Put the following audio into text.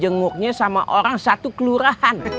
jenguknya sama orang satu kelurahan